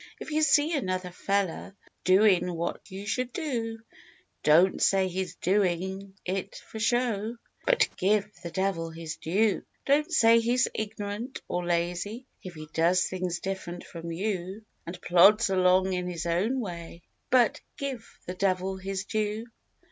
If you see another fellar Doin' what you should do Don't say he's "doin' it for show," But "give the devil his due." Don't say he's ignorant or lazy If he does things different from you, And plods along in his own way, But "give the devil his due."